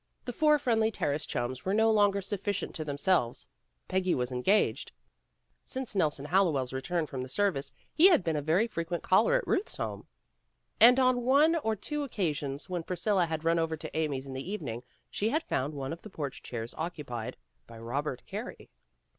The four Friendly Terrace chums were no longer sufficient to themselves. Peggy was engaged. Since Nelson Hallowell's return from the service, he had been a very frequent caller at Ruth's home. And on one or two occasions when Priscilla had run over to Amy's in the evening, she had found one of the porch chairs occupied by Robert Carey.